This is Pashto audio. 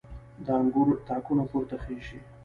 د انګور تاکونه پورته خیژي